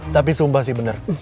tapi sumpah sih bener